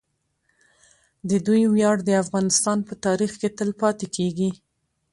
د دوی ویاړ د افغانستان په تاریخ کې تل پاتې کیږي.